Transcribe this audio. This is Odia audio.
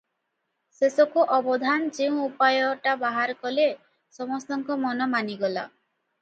ଶେଷକୁ ଅବଧାନ ଯେଉଁ ଉପାୟଟା ବାହାର କଲେ, ସମସ୍ତଙ୍କ ମନ ମାନିଗଲା ।